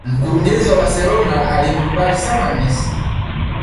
Mkurugenzi wa Barcelona alimkubali sana Messi